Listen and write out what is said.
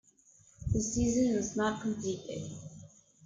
The season was not completed.